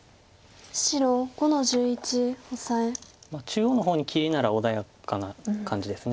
中央の方に切りなら穏やかな感じです。